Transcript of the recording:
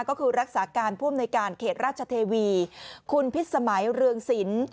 ก็คือรักษาการผู้อำนวยการเขตราชเทวีคุณพิษสมัยเรืองศิลป์